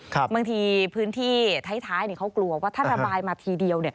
บางทีพื้นที่ท้ายเขากลัวว่าถ้าระบายมาทีเดียว